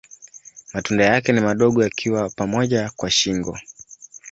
Matunda yake ni madogo yakiwa pamoja kwa shingo.